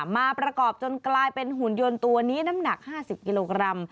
มาประกอบจนกลายเป็นหุ่นยนต์ตัวนี้น้ำหนัก๕๐กิโลกรัม